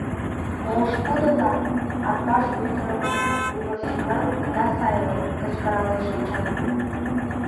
— По-о-шкудо-влак, Атбаш Вӧдырым выборщиклан ида сайле! — кычкыралеш Эчан.